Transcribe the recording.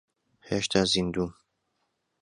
هێشتا زیندووم.